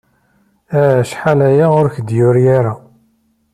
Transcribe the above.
Acḥal aya ur ak-d-yuri ara.